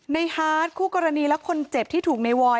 ฮาร์ดคู่กรณีและคนเจ็บที่ถูกในวอย